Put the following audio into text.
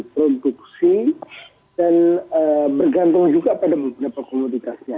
produksi dan bergantung juga pada beberapa komoditasnya